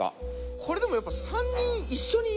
これでもやっぱ。